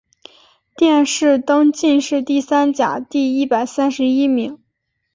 殿试登进士第三甲第一百三十一名。